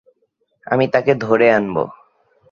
আমি তাকে ধরে আনব।